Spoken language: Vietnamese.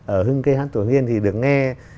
ở hưng cây hán tổ hưng yên thì được nghe